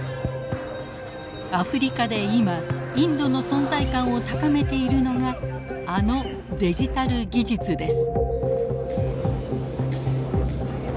アフリカで今インドの存在感を高めているのがあのデジタル技術です。